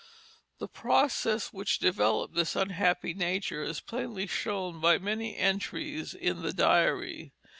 The process which developed this unhappy nature is plainly shown by many entries in the diary.